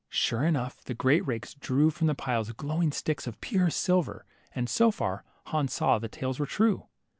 Sure enough, the great rakes drew from the piles glowing sticks of pure silver, and so far, Hans saw the tales were true.